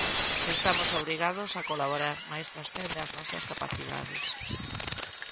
Estamos obrigados a colaborar, mais transcende as nosas capacidades.